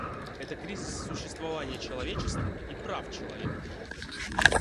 Это кризис существования человечества и прав человека.